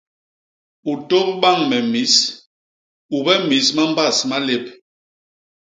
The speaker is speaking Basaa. U tôp bañ me mis; ube mis ma mbas malép.